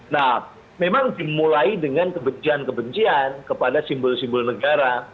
nah memang dimulai dengan kebencian kebencian kepada simbol simbol negara